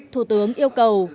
thủ tướng yêu cầu